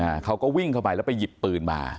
เขาก็วิ่งเข้าไปแล้วไปหยิบปืนมา